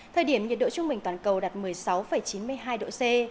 thời điểm nhiệt độ trung bình toàn cầu đạt một mươi sáu chín mươi hai độ c